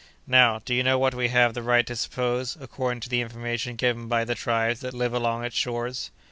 Now, do you know what we have the right to suppose, according to the information given by the tribes that live along its shores?"